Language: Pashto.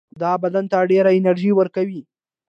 دا بدن ته ډېره انرژي ورکوي.